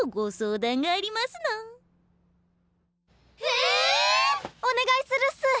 え⁉お願いするっす！